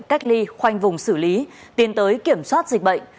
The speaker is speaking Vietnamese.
cách ly khoanh vùng xử lý tiến tới kiểm soát dịch bệnh